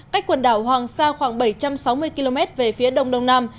cách quần đảo hoàng sa khoảng bảy trăm sáu mươi km về phía đông đông nam